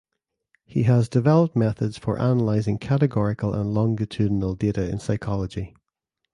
He has developed methods for analyzing categorical and longitudinal data in psychology.